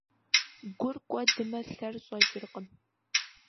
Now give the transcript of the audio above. Гур кӀуэдмэ, лъэр щӀэкӀыркъым.